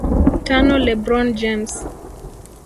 Tano LeBron James